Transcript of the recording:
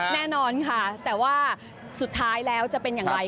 แน่นอนค่ะแต่ว่าสุดท้ายแล้วจะเป็นอย่างไร